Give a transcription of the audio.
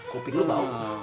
kopi lu bau